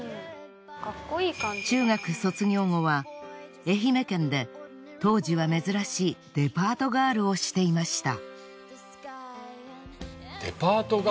中学卒業後は愛媛県で当時は珍しいデパートガールをしていました。